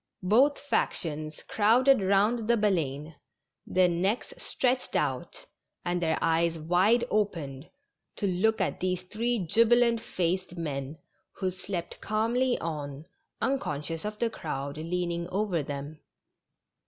Both factions crowded round the Baleine^ their necks stretched out and their eyes wide opened to look at these three jubilant faced men, who slept calmly on, unconscious of the crowd leaning over them.